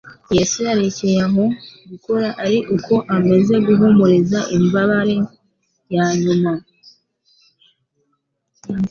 Yesu yarekcye aho gukora ari uko amaze guhumuriza imbabare ya nyuma.